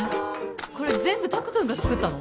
これ全部拓くんが作ったの？